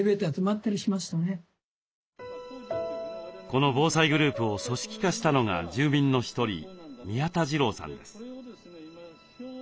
この防災グループを組織化したのが住民の一人宮田次朗さんです。